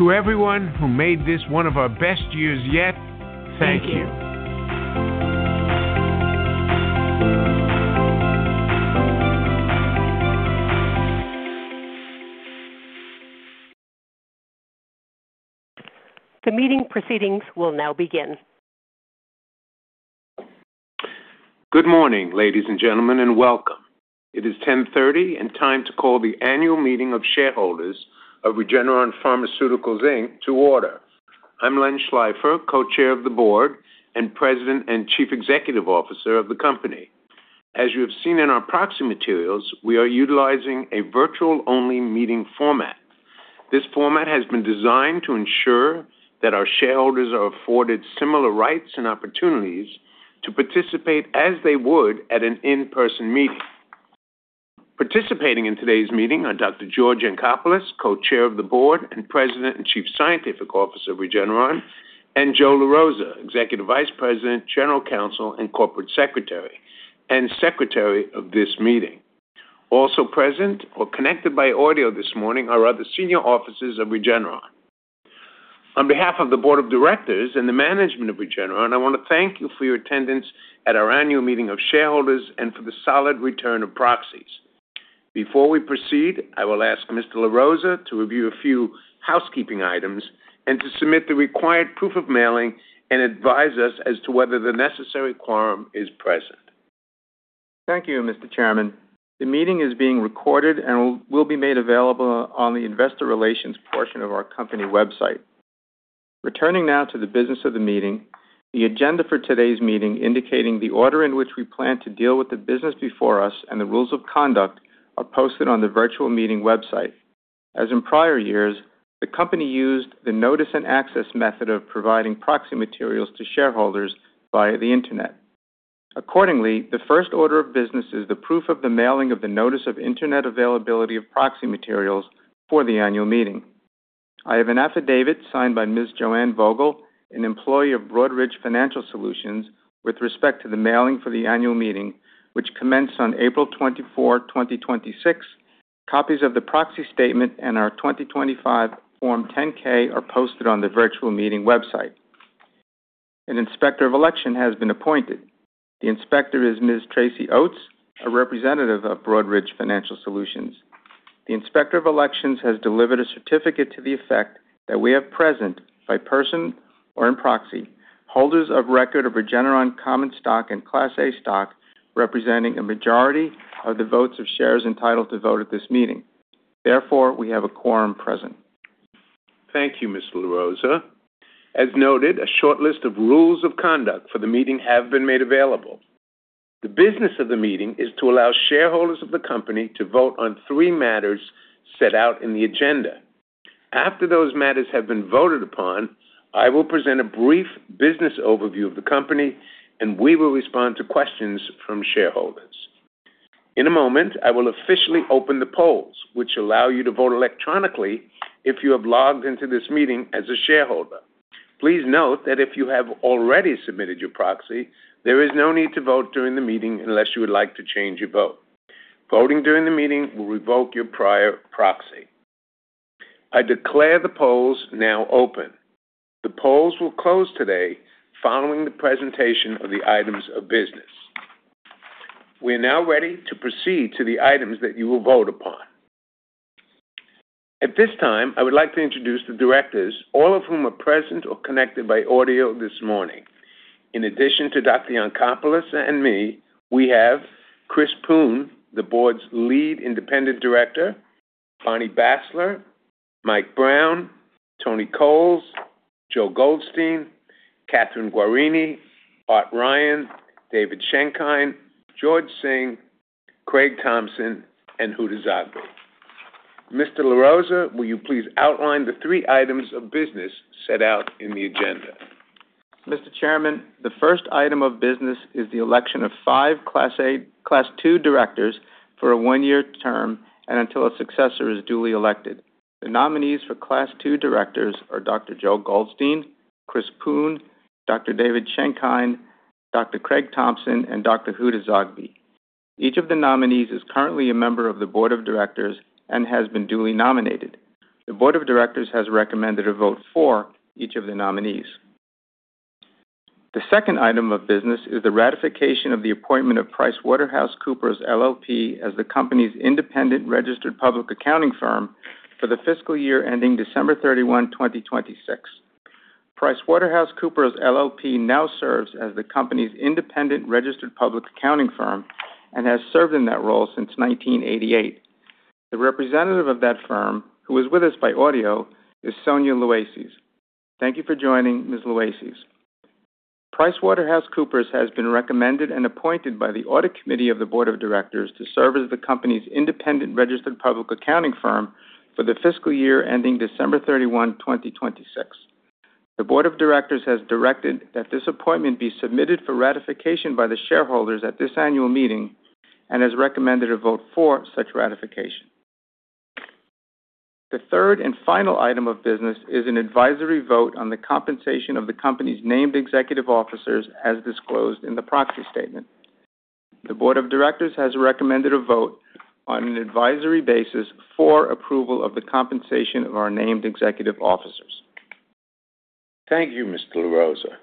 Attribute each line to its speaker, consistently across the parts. Speaker 1: The meeting proceedings will now begin.
Speaker 2: Good morning, ladies and gentlemen, and welcome. It is 10:30 A.M. and time to call the annual meeting of shareholders of Regeneron Pharmaceuticals Inc. to order. I'm Leonard Schleifer, Co-Chair of the Board and President and Chief Executive Officer of the company. As you have seen in our proxy materials, we are utilizing a virtual-only meeting format. This format has been designed to ensure that our shareholders are afforded similar rights and opportunities to participate as they would at an in-person meeting. Participating in today's meeting are Dr. George Yancopoulos, Co-Chair of the Board and President and Chief Scientific Officer of Regeneron, and Joe LaRosa, Executive Vice President, General Counsel and Corporate Secretary, and secretary of this meeting. Also present or connected by audio this morning are other senior officers of Regeneron. On behalf of the Board of Directors and the management of Regeneron, I want to thank you for your attendance at our annual meeting of shareholders and for the solid return of proxies. Before we proceed, I will ask Mr. LaRosa to review a few housekeeping items and to submit the required proof of mailing and advise us as to whether the necessary quorum is present.
Speaker 3: Thank you, Mr. Chairman. The meeting is being recorded and will be made available on the investor relations portion of our company website. Returning now to the business of the meeting, the agenda for today's meeting indicating the order in which we plan to deal with the business before us and the rules of conduct are posted on the virtual meeting website. As in prior years, the company used the notice-and-access method of providing proxy materials to shareholders via the Internet. Accordingly, the first order of business is the proof of the mailing of the Notice of Internet Availability of Proxy Materials for the annual meeting. I have an affidavit signed by Ms. Joanne Vogel, an employee of Broadridge Financial Solutions, with respect to the mailing for the annual meeting, which commenced on April 24, 2026. Copies of the proxy statement and our 2025 Form 10-K are posted on the virtual meeting website. An Inspector of Election has been appointed. The inspector is Ms. Tracy Oats, a representative of Broadridge Financial Solutions. The Inspector of Elections has delivered a certificate to the effect that we have present, by person or in proxy, holders of record of Regeneron common stock and Class A stock representing a majority of the votes of shares entitled to vote at this meeting. Therefore, we have a quorum present.
Speaker 2: Thank you, Mr. LaRosa. As noted, a short list of rules of conduct for the meeting have been made available. The business of the meeting is to allow shareholders of the company to vote on three matters set out in the agenda. After those matters have been voted upon, I will present a brief business overview of the company, and we will respond to questions from shareholders. In a moment, I will officially open the polls, which allow you to vote electronically if you have logged into this meeting as a shareholder. Please note that if you have already submitted your proxy, there is no need to vote during the meeting unless you would like to change your vote. Voting during the meeting will revoke your prior proxy. I declare the polls now open. The polls will close today following the presentation of the items of business. We are now ready to proceed to the items that you will vote upon. At this time, I would like to introduce the directors, all of whom are present or connected by audio this morning. In addition to Dr. Yancopoulos and me, we have Chris Poon, the Board's Lead Independent Director, Bonnie Bassler, Mike Brown, Tony Coles, Joe Goldstein, Kathryn Guarini, Art Ryan, David Schenkein, George Sing, Craig Thompson, and Huda Zoghbi. Mr. LaRosa, will you please outline the three items of business set out in the agenda?
Speaker 3: Mr. Chairman, the first item of business is the election of five Class II directors for a one-year term and until a successor is duly elected. The nominees for Class II directors are Dr. Joe Goldstein, Chris Poon, Dr. David Schenkein, Dr. Craig Thompson, and Dr. Huda Zoghbi. Each of the nominees is currently a member of the Board of Directors and has been duly nominated. The Board of Directors has recommended a vote for each of the nominees. The second item of business is the ratification of the appointment of PricewaterhouseCoopers LLP as the company's independent registered public accounting firm for the fiscal year ending December 31, 2026. PricewaterhouseCoopers LLP now serves as the company's independent registered public accounting firm and has served in that role since 1988. The representative of that firm, who is with us by audio, is Sonia Luaces. Thank you for joining, Ms. Luaces. PricewaterhouseCoopers has been recommended and appointed by the audit committee of the board of directors to serve as the company's independent registered public accounting firm for the fiscal year ending December 31, 2026. The Board of Directors has directed that this appointment be submitted for ratification by the shareholders at this annual meeting and has recommended a vote for such ratification. The third and final item of business is an advisory vote on the compensation of the company's named executive officers as disclosed in the proxy statement. The Board of Directors has recommended a vote on an advisory basis for approval of the compensation of our named executive officers.
Speaker 2: Thank you, Mr. LaRosa.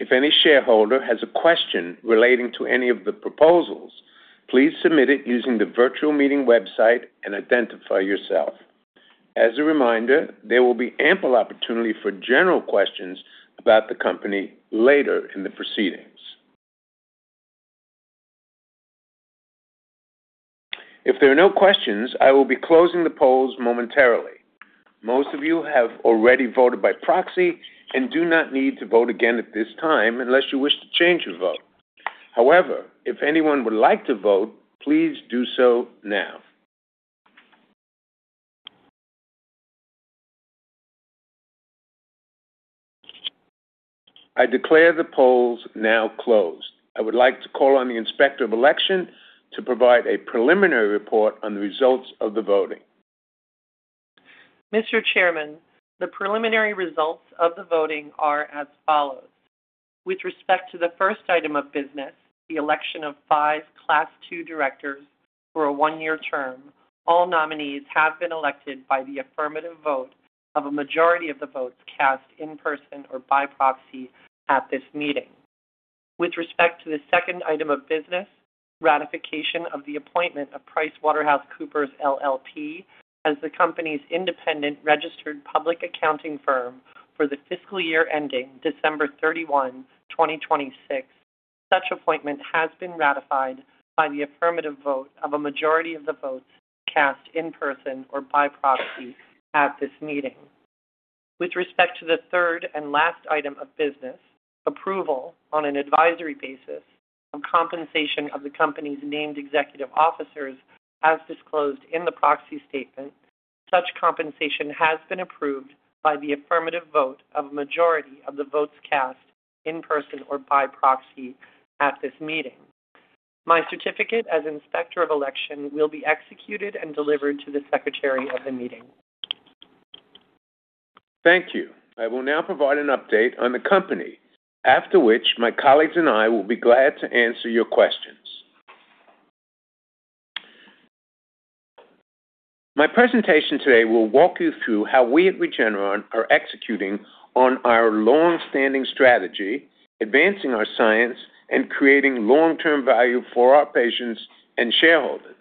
Speaker 2: If any shareholder has a question relating to any of the proposals, please submit it using the virtual meeting website and identify yourself. As a reminder, there will be ample opportunity for general questions about the company later in the proceedings. If there are no questions, I will be closing the polls momentarily. Most of you have already voted by proxy and do not need to vote again at this time unless you wish to change your vote. If anyone would like to vote, please do so now. I declare the polls now closed. I would like to call on the Inspector of Election to provide a preliminary report on the results of the voting.
Speaker 4: Mr. Chairman, the preliminary results of the voting are as follows. With respect to the first item of business, the election of five Class II directors for a one-year term, all nominees have been elected by the affirmative vote of a majority of the votes cast in person or by proxy at this meeting. With respect to the second item of business, ratification of the appointment of PricewaterhouseCoopers LLP as the company's independent registered public accounting firm for the fiscal year ending December 31, 2026, such appointment has been ratified by the affirmative vote of a majority of the votes cast in person or by proxy at this meeting. With respect to the third and last item of business, approval on an advisory basis of compensation of the company's named executive officers as disclosed in the proxy statement, such compensation has been approved by the affirmative vote of a majority of the votes cast in person or by proxy at this meeting. My certificate as Inspector of Election will be executed and delivered to the Secretary of the meeting.
Speaker 2: Thank you. I will now provide an update on the company, after which my colleagues and I will be glad to answer your questions. My presentation today will walk you through how we at Regeneron are executing on our longstanding strategy, advancing our science, and creating long-term value for our patients and shareholders.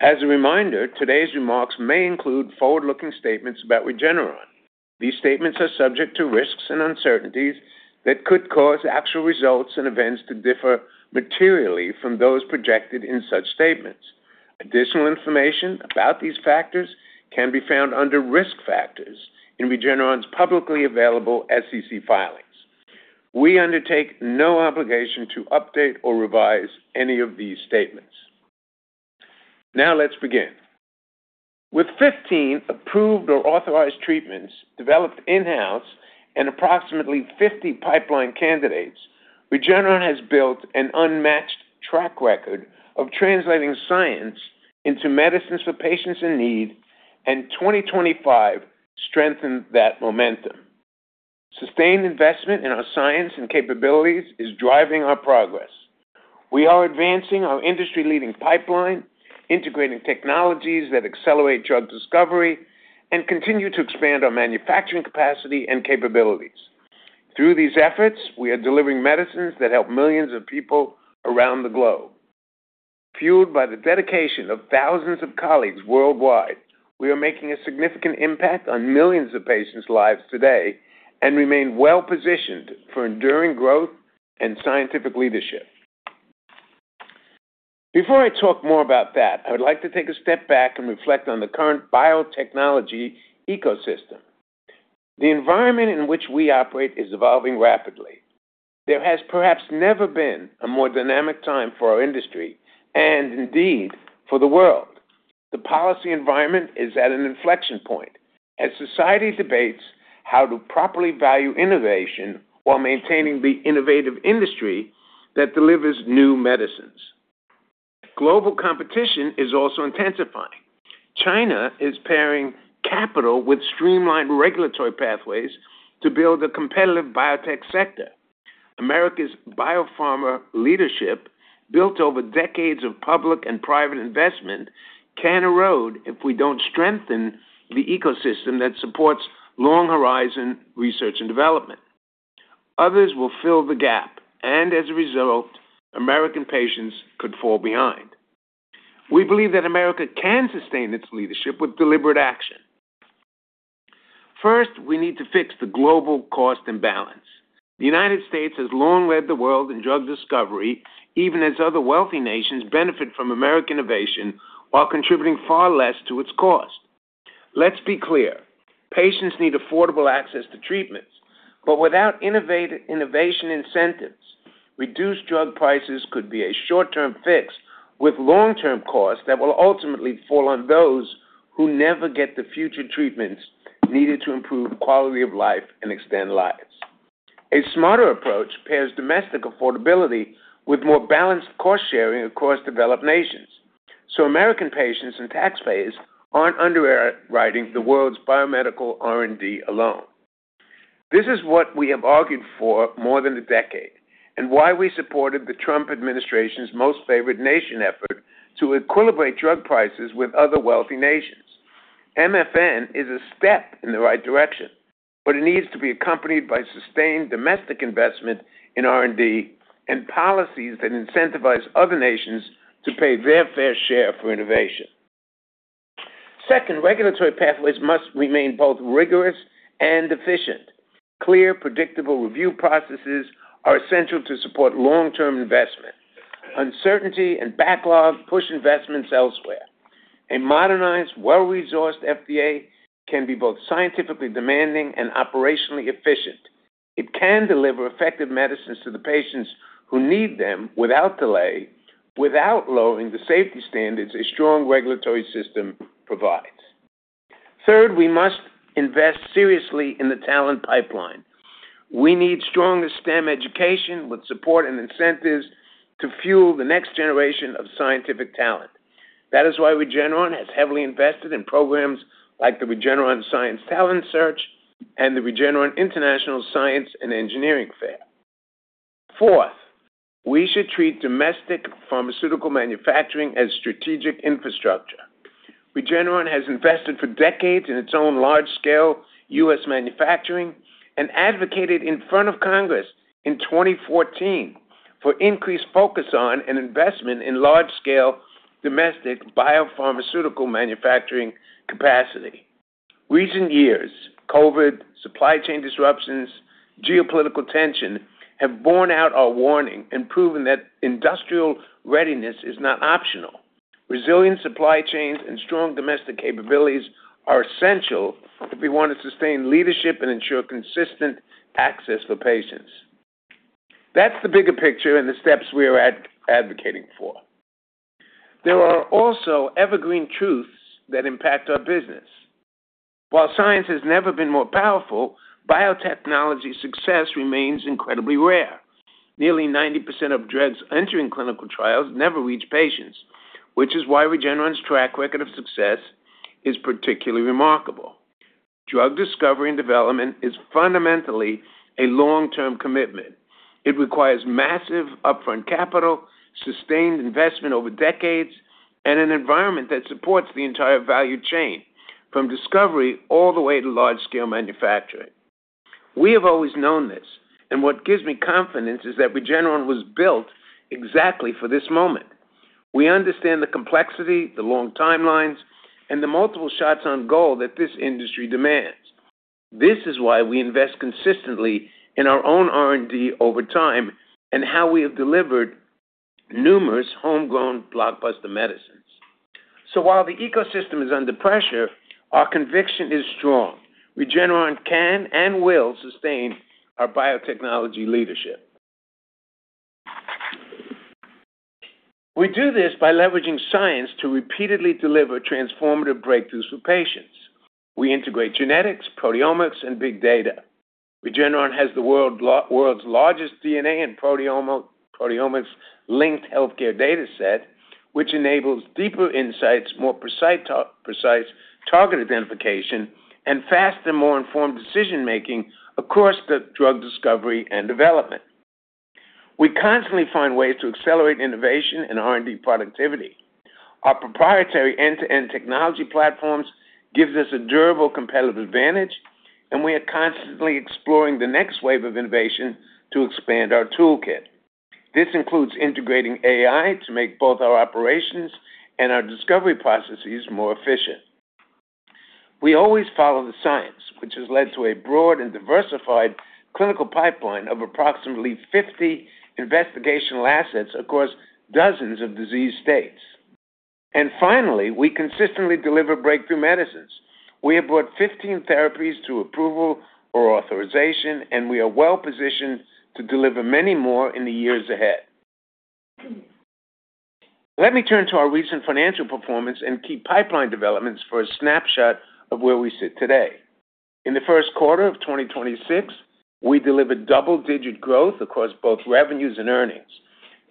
Speaker 2: As a reminder, today's remarks may include forward-looking statements about Regeneron. These statements are subject to risks and uncertainties that could cause actual results and events to differ materially from those projected in such statements. Additional information about these factors can be found under Risk Factors in Regeneron's publicly available SEC filings. We undertake no obligation to update or revise any of these statements. Let's begin. With 15 approved or authorized treatments developed in-house and approximately 50 pipeline candidates, Regeneron has built an unmatched track record of translating science into medicines for patients in need. 2025 strengthened that momentum. Sustained investment in our science and capabilities is driving our progress. We are advancing our industry-leading pipeline, integrating technologies that accelerate drug discovery, and continue to expand our manufacturing capacity and capabilities. Through these efforts, we are delivering medicines that help millions of people around the globe. Fueled by the dedication of thousands of colleagues worldwide, we are making a significant impact on millions of patients' lives today and remain well-positioned for enduring growth and scientific leadership. Before I talk more about that, I would like to take a step back and reflect on the current biotechnology ecosystem. The environment in which we operate is evolving rapidly. There has perhaps never been a more dynamic time for our industry and indeed, for the world. The policy environment is at an inflection point as society debates how to properly value innovation while maintaining the innovative industry that delivers new medicines. Global competition is also intensifying. China is pairing capital with streamlined regulatory pathways to build a competitive biotech sector. America's biopharma leadership, built over decades of public and private investment, can erode if we don't strengthen the ecosystem that supports long-horizon research and development. Others will fill the gap, and as a result, American patients could fall behind. We believe that America can sustain its leadership with deliberate action. First, we need to fix the global cost imbalance. The United States has long led the world in drug discovery, even as other wealthy nations benefit from American innovation while contributing far less to its cost. Let's be clear. Patients need affordable access to treatments, without innovation incentives, reduced drug prices could be a short-term fix with long-term costs that will ultimately fall on those who never get the future treatments needed to improve quality of life and extend lives. A smarter approach pairs domestic affordability with more balanced cost-sharing across developed nations so American patients and taxpayers aren't underwriting the world's biomedical R&D alone. This is what we have argued for more than a decade, and why we supported the Trump administration's most favored nation effort to equilibrate drug prices with other wealthy nations. MFN is a step in the right direction, it needs to be accompanied by sustained domestic investment in R&D and policies that incentivize other nations to pay their fair share for innovation. Second, regulatory pathways must remain both rigorous and efficient. Clear, predictable review processes are essential to support long-term investment. Uncertainty and backlog push investments elsewhere. A modernized, well-resourced FDA can be both scientifically demanding and operationally efficient. It can deliver effective medicines to the patients who need them without delay, without lowering the safety standards a strong regulatory system provides. Third, we must invest seriously in the talent pipeline. We need stronger STEM education with support and incentives to fuel the next generation of scientific talent. That is why Regeneron has heavily invested in programs like the Regeneron Science Talent Search and the Regeneron International Science and Engineering Fair. Fourth, we should treat domestic pharmaceutical manufacturing as strategic infrastructure. Regeneron has invested for decades in its own large-scale U.S. manufacturing and advocated in front of Congress in 2014 for increased focus on and investment in large-scale domestic biopharmaceutical manufacturing capacity. Recent years, COVID, supply chain disruptions, geopolitical tension, have borne out our warning and proven that industrial readiness is not optional. Resilient supply chains and strong domestic capabilities are essential if we want to sustain leadership and ensure consistent access for patients. That's the bigger picture and the steps we are advocating for. There are also evergreen truths that impact our business. While science has never been more powerful, biotechnology success remains incredibly rare. Nearly 90% of drugs entering clinical trials never reach patients, which is why Regeneron's track record of success is particularly remarkable. Drug discovery and development is fundamentally a long-term commitment. It requires massive upfront capital, sustained investment over decades, and an environment that supports the entire value chain, from discovery all the way to large-scale manufacturing. We have always known this, and what gives me confidence is that Regeneron was built exactly for this moment. We understand the complexity, the long timelines, and the multiple shots on goal that this industry demands. This is why we invest consistently in our own R&D over time and how we have delivered numerous homegrown blockbuster medicines. While the ecosystem is under pressure, our conviction is strong. Regeneron can and will sustain our biotechnology leadership. We do this by leveraging science to repeatedly deliver transformative breakthroughs for patients. We integrate genetics, proteomics, and big data. Regeneron has the world's largest DNA and proteomics-linked healthcare data set, which enables deeper insights, more precise target identification, and faster, more informed decision-making across the drug discovery and development. We constantly find ways to accelerate innovation and R&D productivity. Our proprietary end-to-end technology platforms gives us a durable competitive advantage, and we are constantly exploring the next wave of innovation to expand our toolkit. This includes integrating AI to make both our operations and our discovery processes more efficient. We always follow the science, which has led to a broad and diversified clinical pipeline of approximately 50 investigational assets across dozens of disease states. Finally, we consistently deliver breakthrough medicines. We have brought 15 therapies to approval or authorization, and we are well-positioned to deliver many more in the years ahead. Let me turn to our recent financial performance and key pipeline developments for a snapshot of where we sit today. In the first quarter of 2026, we delivered double-digit growth across both revenues and earnings.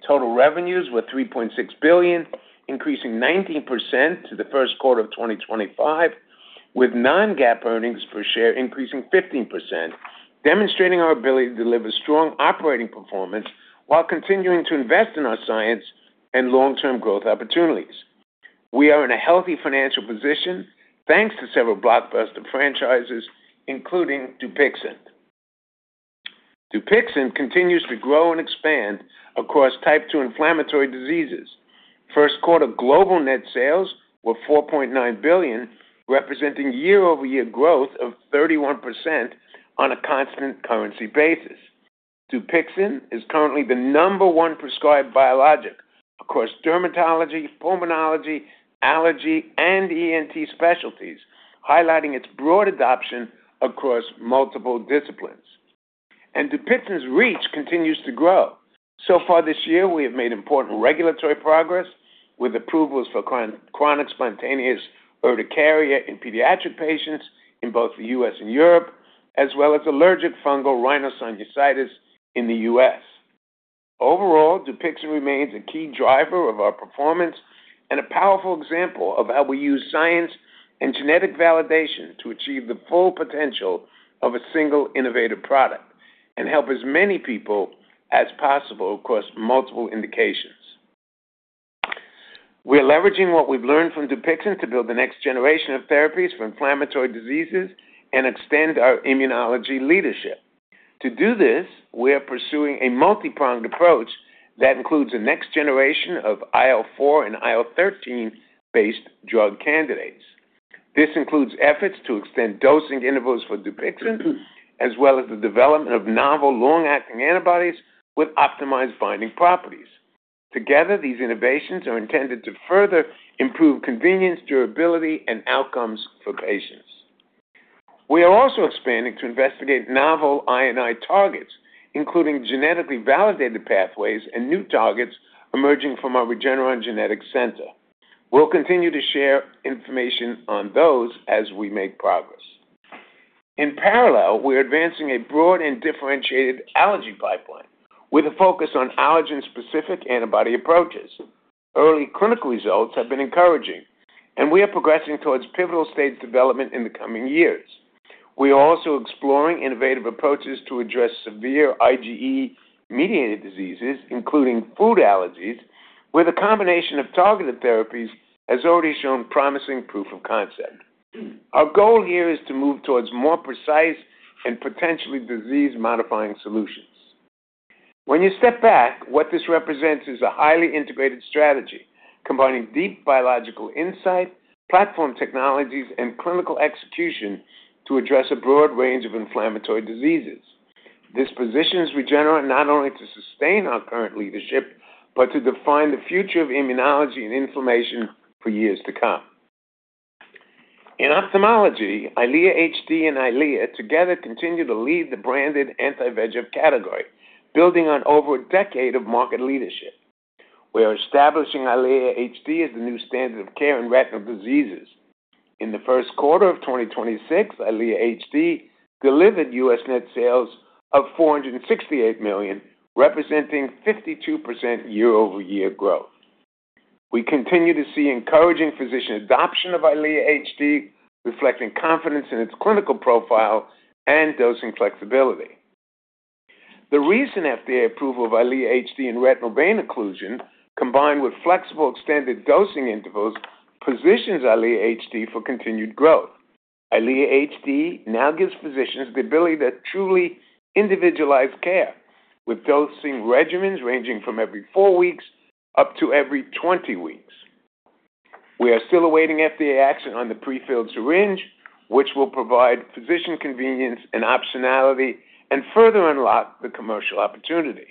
Speaker 2: Total revenues were $3.6 billion, increasing 19% to the first quarter of 2025, with non-GAAP earnings per share increasing 15%, demonstrating our ability to deliver strong operating performance while continuing to invest in our science and long-term growth opportunities. We are in a healthy financial position thanks to several blockbuster franchises, including DUPIXENT. DUPIXENT continues to grow and expand across Type 2 inflammatory diseases. First quarter global net sales were $4.9 billion, representing year-over-year growth of 31% on a constant currency basis. DUPIXENT is currently the number one prescribed biologic across dermatology, pulmonology, allergy, and ENT specialties, highlighting its broad adoption across multiple disciplines. DUPIXENT's reach continues to grow. So far this year, we have made important regulatory progress with approvals for chronic spontaneous urticaria in pediatric patients in both the U.S. and Europe, as well as allergic fungal rhinosinusitis in the U.S. Overall, DUPIXENT remains a key driver of our performance and a powerful example of how we use science and genetic validation to achieve the full potential of a single innovative product and help as many people as possible across multiple indications. We're leveraging what we've learned from DUPIXENT to build the next generation of therapies for inflammatory diseases and extend our immunology leadership. To do this, we are pursuing a multi-pronged approach that includes a next generation of IL-4 and IL-13-based drug candidates. This includes efforts to extend dosing intervals for DUPIXENT, as well as the development of novel long-acting antibodies with optimized binding properties. Together, these innovations are intended to further improve convenience, durability, and outcomes for patients. We are also expanding to investigate novel I&I targets, including genetically validated pathways and new targets emerging from our Regeneron Genetics Center. We'll continue to share information on those as we make progress. In parallel, we're advancing a broad and differentiated allergy pipeline with a focus on allergen-specific antibody approaches. Early clinical results have been encouraging, and we are progressing towards pivotal stage development in the coming years. We are also exploring innovative approaches to address severe IgE-mediated diseases, including food allergies, where the combination of targeted therapies has already shown promising proof of concept. Our goal here is to move towards more precise and potentially disease-modifying solutions. When you step back, what this represents is a highly integrated strategy combining deep biological insight, platform technologies, and clinical execution to address a broad range of inflammatory diseases. This positions Regeneron not only to sustain our current leadership, but to define the future of immunology and inflammation for years to come. In ophthalmology, EYLEA HD and EYLEA together continue to lead the branded anti-VEGF category, building on over a decade of market leadership. We are establishing EYLEA HD as the new standard of care in retinal diseases. In the first quarter of 2026, EYLEA HD delivered U.S. net sales of $468 million, representing 52% year-over-year growth. We continue to see encouraging physician adoption of EYLEA HD, reflecting confidence in its clinical profile and dosing flexibility. The recent FDA approval of EYLEA HD in retinal vein occlusion, combined with flexible extended dosing intervals, positions EYLEA HD for continued growth. EYLEA HD now gives physicians the ability to truly individualize care with dosing regimens ranging from every four weeks up to every 20 weeks. We are still awaiting FDA action on the pre-filled syringe, which will provide physician convenience and optionality and further unlock the commercial opportunity.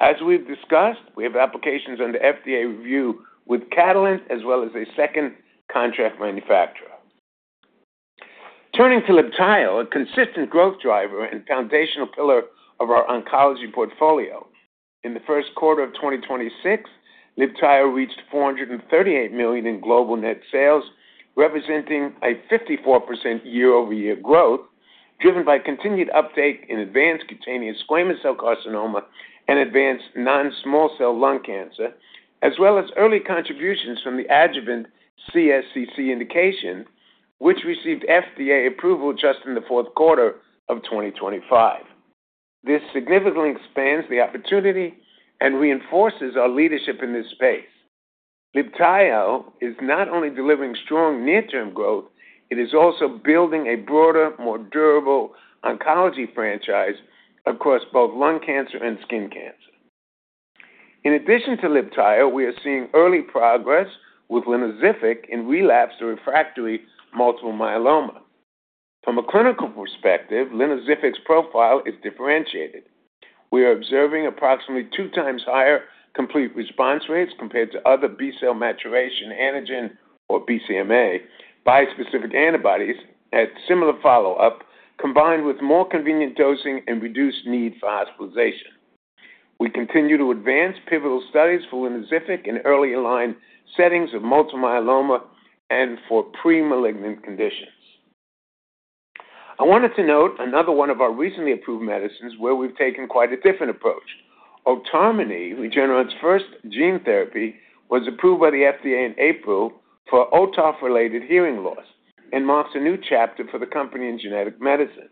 Speaker 2: As we've discussed, we have applications under FDA review with Catalent as well as a second contract manufacturer. Turning to Libtayo, a consistent growth driver and foundational pillar of our oncology portfolio. In the first quarter of 2026, Libtayo reached $438 million in global net sales, representing a 54% year-over-year growth, driven by continued uptake in advanced cutaneous squamous cell carcinoma and advanced non-small cell lung cancer, as well as early contributions from the adjuvant CSCC indication, which received FDA approval just in the fourth quarter of 2025. This significantly expands the opportunity and reinforces our leadership in this space. Libtayo is not only delivering strong near-term growth, it is also building a broader, more durable oncology franchise across both lung cancer and skin cancer. In addition to Libtayo, we are seeing early progress with linvoseltamab in relapsed or refractory multiple myeloma. From a clinical perspective, linvoseltamab's profile is differentiated. We are observing approximately two times higher complete response rates compared to other B-cell maturation antigen, or BCMA, bispecific antibodies at similar follow-up, combined with more convenient dosing and reduced need for hospitalization. We continue to advance pivotal studies for linvoseltamab in early line settings of multiple myeloma and for pre-malignant conditions. I wanted to note another one of our recently approved medicines where we've taken quite a different approach. Otarmeni, Regeneron's first gene therapy, was approved by the FDA in April for OTOF-related hearing loss and marks a new chapter for the company in genetic medicine.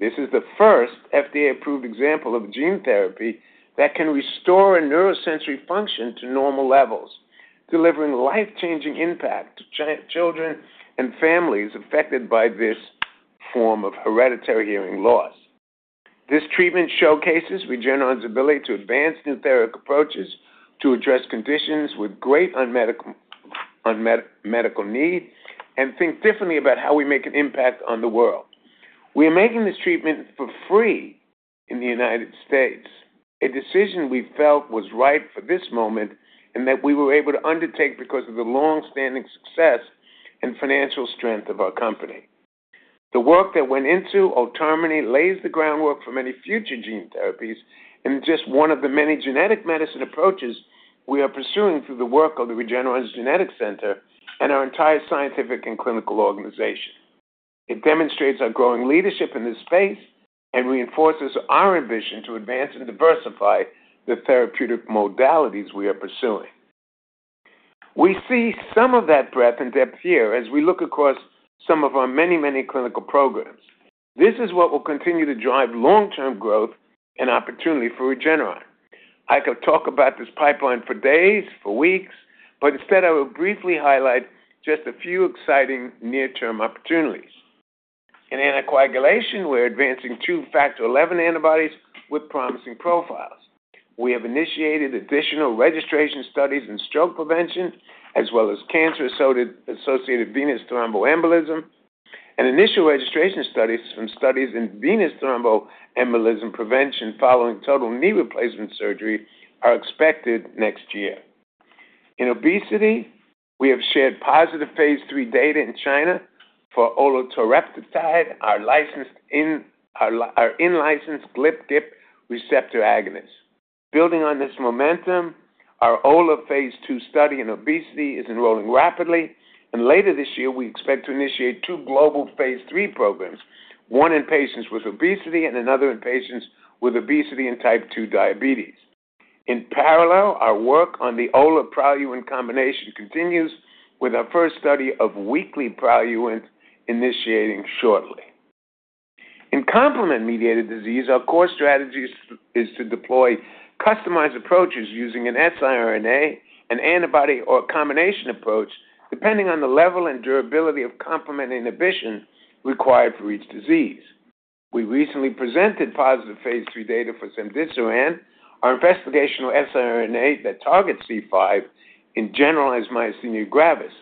Speaker 2: This is the first FDA-approved example of a gene therapy that can restore neurosensory function to normal levels, delivering life-changing impact to children and families affected by this form of hereditary hearing loss. This treatment showcases Regeneron's ability to advance new therapeutic approaches to address conditions with great unmet medical need and think differently about how we make an impact on the world. We are making this treatment for free in the United States, a decision we felt was right for this moment and that we were able to undertake because of the long-standing success and financial strength of our company. The work that went into Otarmeni lays the groundwork for many future gene therapies and is just one of the many genetic medicine approaches we are pursuing through the work of the Regeneron Genetics Center and our entire scientific and clinical organization. It demonstrates our growing leadership in this space and reinforces our ambition to advance and diversify the therapeutic modalities we are pursuing. We see some of that breadth and depth here as we look across some of our many, many clinical programs. This is what will continue to drive long-term growth and opportunity for Regeneron. I could talk about this pipeline for days, for weeks, but instead, I will briefly highlight just a few exciting near-term opportunities. In anticoagulation, we're advancing two Factor XI antibodies with promising profiles. We have initiated additional registration studies in stroke prevention as well as cancer-associated venous thromboembolism, and initial registration studies from studies in venous thromboembolism prevention following total knee replacement surgery are expected next year. In obesity, we have shared positive phase III data in China for olatorepatide, our in-licensed GLP-1/GIP receptor agonist. Building on this momentum, our olatorepatide phase II study in obesity is enrolling rapidly, and later this year, we expect to initiate two global phase III programs, one in patients with obesity and another in patients with obesity and Type 2 diabetes. In parallel, our work on the olatorepatide Praluent combination continues, with our first study of weekly Praluent initiating shortly. In complement-mediated disease, our core strategy is to deploy customized approaches using an siRNA, an antibody, or a combination approach, depending on the level and durability of complement inhibition required for each disease. We recently presented positive phase III data for cemdisiran, our investigational siRNA that targets C5 in generalized myasthenia gravis,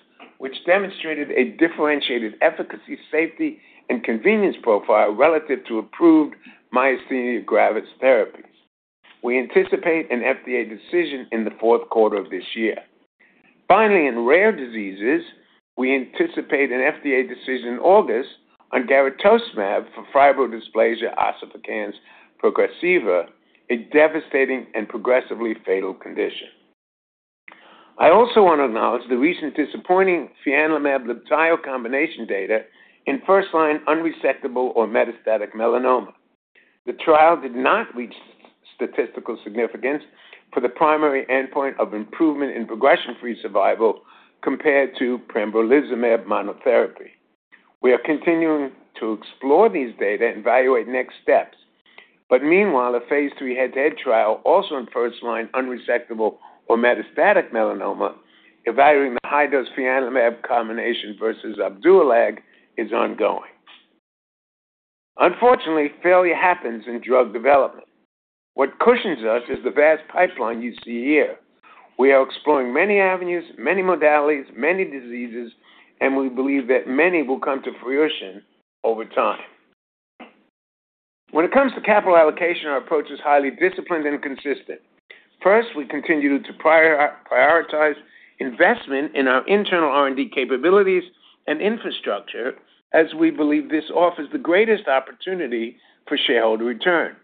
Speaker 2: which demonstrated a differentiated efficacy, safety, and convenience profile relative to approved myasthenia gravis therapies. We anticipate an FDA decision in the fourth quarter of this year. Finally, in rare diseases, we anticipate an FDA decision in August on garetosmab for fibrodysplasia ossificans progressiva, a devastating and progressively fatal condition. I also want to acknowledge the recent disappointing fianlimab Libtayo combination data in first-line unresectable or metastatic melanoma. The trial did not reach statistical significance for the primary endpoint of improvement in progression-free survival compared to pembrolizumab monotherapy. We are continuing to explore these data and evaluate next steps. Meanwhile, a phase III head-to-head trial, also in first-line unresectable or metastatic melanoma, evaluating the high-dose fianlimab combination versus Opdualag is ongoing. Unfortunately, failure happens in drug development. What cushions us is the vast pipeline you see here. We are exploring many avenues, many modalities, many diseases, and we believe that many will come to fruition over time. When it comes to capital allocation, our approach is highly disciplined and consistent. First, we continue to prioritize investment in our internal R&D capabilities and infrastructure, as we believe this offers the greatest opportunity for shareholder return.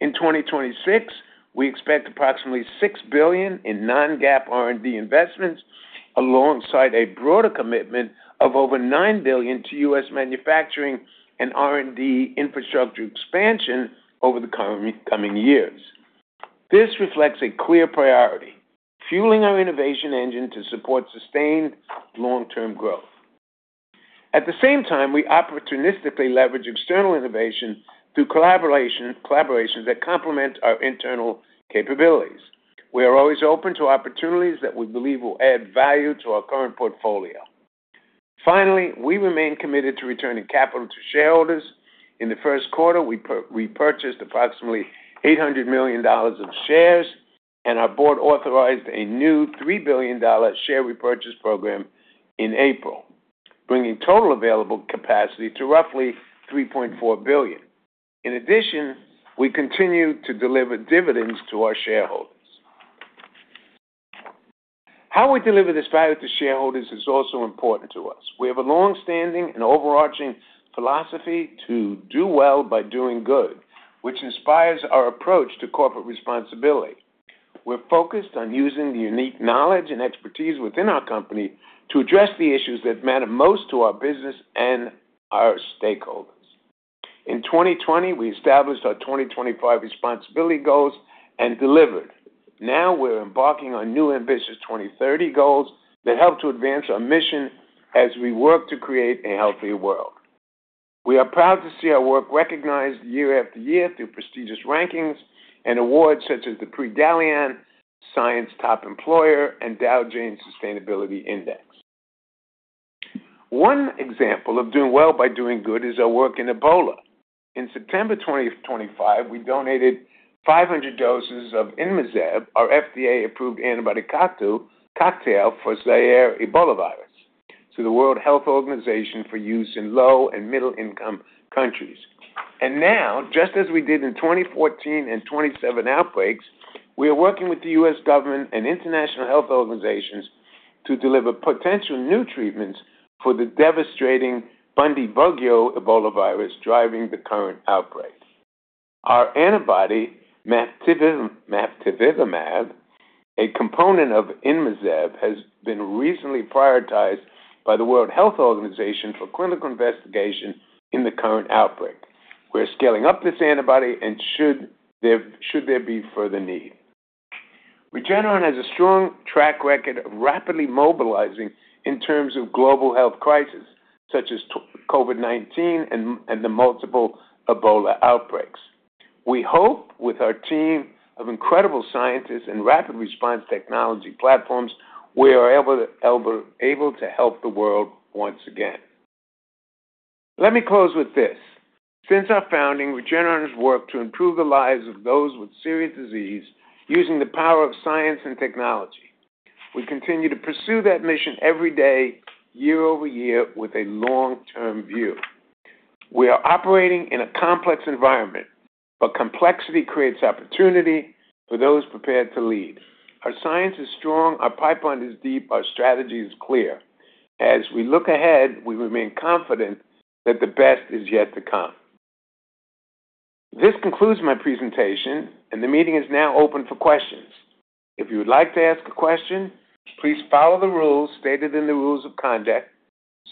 Speaker 2: In 2026, we expect approximately $6 billion in non-GAAP R&D investments alongside a broader commitment of over $9 billion to U.S. manufacturing and R&D infrastructure expansion over the coming years. This reflects a clear priority, fueling our innovation engine to support sustained long-term growth. At the same time, we opportunistically leverage external innovation through collaborations that complement our internal capabilities. We are always open to opportunities that we believe will add value to our current portfolio. Finally, we remain committed to returning capital to shareholders. In the first quarter, we repurchased approximately $800 million of shares, and our Board authorized a new $3 billion share repurchase program in April, bringing total available capacity to roughly $3.4 billion. In addition, we continue to deliver dividends to our shareholders. How we deliver this value to shareholders is also important to us. We have a long-standing and overarching philosophy to do well by doing good, which inspires our approach to corporate responsibility. We're focused on using the unique knowledge and expertise within our company to address the issues that matter most to our business and our stakeholders. In 2020, we established our 2025 responsibility goals and delivered. We're embarking on new ambitious 2030 goals that help to advance our mission as we work to create a healthier world. We are proud to see our work recognized year after year through prestigious rankings and awards such as the Science Top Employer and Dow Jones Sustainability Index. One example of doing well by doing good is our work in Ebola. In September 2025, we donated 500 doses of Inmazeb, our FDA-approved antibody cocktail for Zaire ebolavirus, to the World Health Organization for use in low and middle-income countries. Now, just as we did in 2014 and 2017 outbreaks, we are working with the U.S. government and international health organizations to deliver potential new treatments for the devastating Bundibugyo ebolavirus driving the current outbreak. Our antibody, maftivimab, a component of Inmazeb, has been recently prioritized by the World Health Organization for clinical investigation in the current outbreak. We're scaling up this antibody and should there be further need. Regeneron has a strong track record of rapidly mobilizing in terms of global health crisis such as COVID-19 and the multiple Ebola outbreaks. We hope with our team of incredible scientists and rapid response technology platforms, we are able to help the world once again. Let me close with this. Since our founding, Regeneron has worked to improve the lives of those with serious disease using the power of science and technology. We continue to pursue that mission every day, year over year, with a long-term view. We are operating in a complex environment, complexity creates opportunity for those prepared to lead. Our science is strong, our pipeline is deep, our strategy is clear. We look ahead, we remain confident that the best is yet to come. This concludes my presentation and the meeting is now open for questions. If you would like to ask a question, please follow the rules stated in the rules of conduct,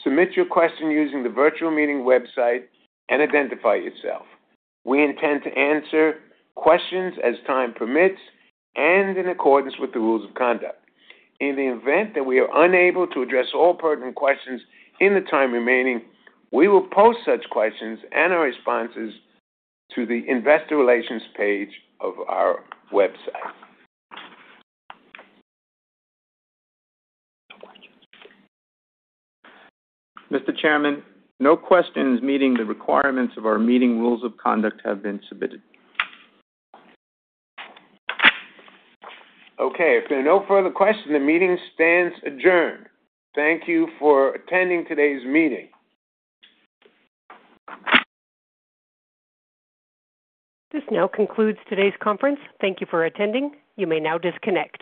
Speaker 2: submit your question using the virtual meeting website and identify yourself. We intend to answer questions as time permits and in accordance with the rules of conduct. In the event that we are unable to address all pertinent questions in the time remaining, we will post such questions and our responses to the investor relations page of our website.
Speaker 3: Mr. Chairman, no questions meeting the requirements of our meeting rules of conduct have been submitted.
Speaker 2: Okay. If there are no further questions, the meeting stands adjourned. Thank you for attending today's meeting.
Speaker 1: This now concludes today's conference. Thank you for attending. You may now disconnect.